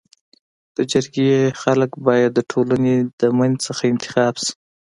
د جرګي خلک بايد د ټولني د منځ څخه انتخاب سي.